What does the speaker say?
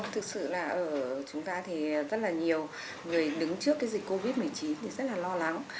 thực sự là chúng ta rất nhiều người đứng trước dịch covid một mươi chín rất lo lắng